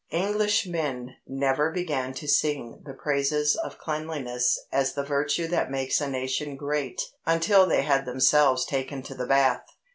Englishmen never began to sing the praises of cleanliness as the virtue that makes a nation great until they had themselves taken to the bath.